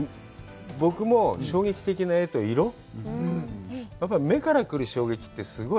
僕も衝撃的な絵と色、目から来る衝撃ってすごい。